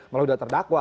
malah sudah terdakwa